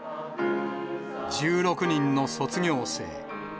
１６人の卒業生。